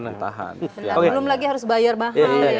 ntar belum lagi harus bayar mahal ya